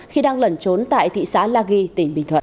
khi đang lẩn trốn tại thị xã la ghi tỉnh bình thuận